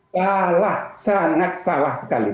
salah sangat salah sekali